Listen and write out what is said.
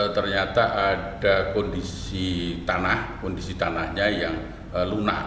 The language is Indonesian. ternyata ada kondisi tanahnya yang lunak